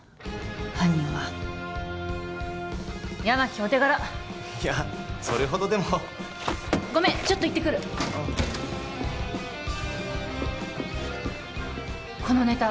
犯人は八巻お手柄いやそれほどでもごめんちょっと行ってくるあっこのネタ